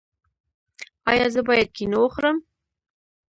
ایا زه باید کینو وخورم؟